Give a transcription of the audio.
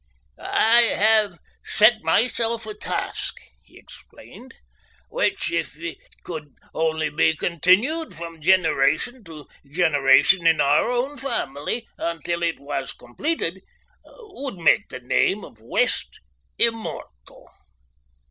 "I have set myself a task," he explained, "which, if it could only be continued from generation to generation in our own family until it was completed, would make the name of West immortal.